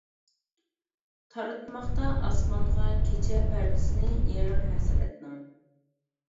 تارتماقتا ئاسمانغا كېچە پەردىسىنى ئېغىر ھەسرەتنىڭ.